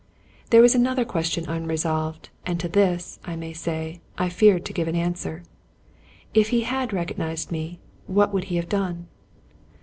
There was another question unresolved; and to this, I may say, I feared to give an answer; if he had recognized me, what would he have done?